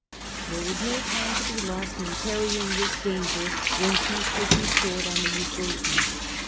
There was no time to be lost in parrying this danger, when peace was restored on the Euphrates.